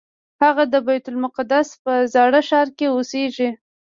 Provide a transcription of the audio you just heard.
هغه د بیت المقدس په زاړه ښار کې اوسېږي.